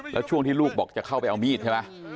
แล้วช่วงที่ลูกบอกจะเข้าไปเอามีดใช่ไหม